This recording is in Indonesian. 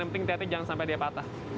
yang penting teaternya jangan sampai dia patah